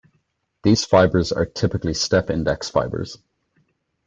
These fibers are typically step-index fibers.